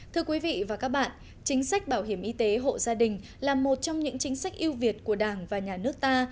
thưa quý vị và các bạn chính sách bảo hiểm y tế hộ gia đình là một trong những chính sách yêu việt của đảng và nhà nước ta